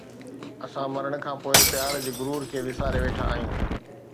اسان مرڻ کان پوءِ پيار جي غرور کي وساري ويٺا آهيون